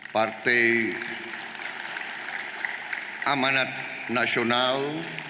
partai amanat nasional